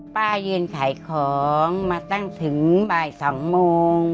ป้ายืนขายของมาตั้งถึงบ่าย๒โมง